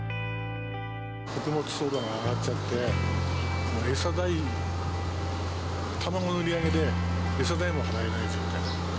穀物相場が上がっちゃって、もう餌代、卵の売り上げで餌代も払えない状態だった。